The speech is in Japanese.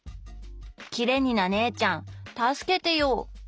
「きれになねぇちゃん、助けてよ。」